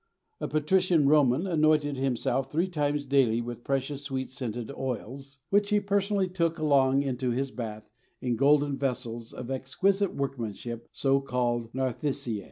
A Patrician Roman anointed himself three times daily with precious, sweet scented oils which he personally took along into his bath in golden vessels of exquisite workmanship, so called nartheciæ.